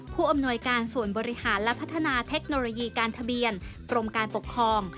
ผู้อำนวยการส่วนบริหารและพัฒนาเทคโนโลยีการทะเบียนกรมการปกครอง